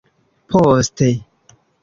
Poste.